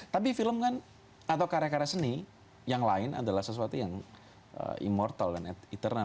tapi film kan atau karya karya seni yang lain adalah sesuatu yang immortal dan internal